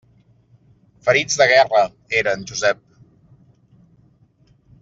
Ferits de guerra, eren, Josep!